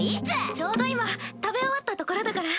ちょうど今食べ終わったところだから。